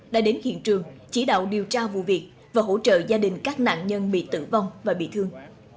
đã đến hiện trường chỉ đạo điều tra vụ việc và hỗ trợ gia đình các nạn nhân bị tử vong và bị thương